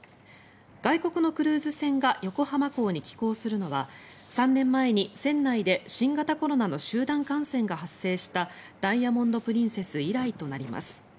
外国のクルーズ船が横浜港に寄港するのは３年前に船内で新型コロナの集団感染が発生した「ダイヤモンド・プリンセス」以来となります。